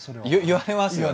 言われますよね？